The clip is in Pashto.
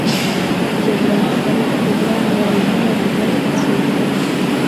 جبران خلیل جبران وایي مینه د ژوند په څېر ده.